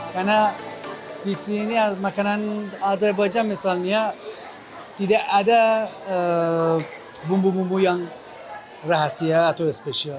karena di sini makanan azerbaijan misalnya tidak ada bumbu bumbu yang rahasia atau spesial